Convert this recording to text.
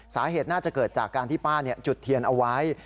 สาเหตุน่าจะเกิดจากการที่ป้าจุดเทียนเอาไว้